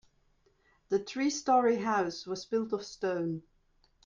The three story house was built of stone.